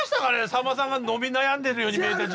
さんまさんが伸び悩んでいるように見えた時期って。